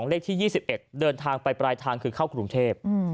เลขที่๒๑เดินทางไปปลายทางคือเข้ากรุงเทพ